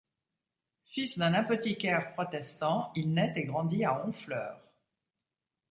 Fils d'un apothicaire protestant, il naît et grandit à Honfleur.